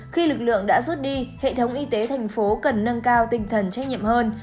khi lực lượng đã rút đi hệ thống y tế thành phố cần nâng cao tinh thần trách nhiệm hơn